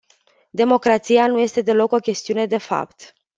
Democrația nu este deloc o chestiune de fapt.